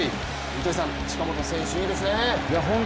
糸井さん、近本選手いいですよね。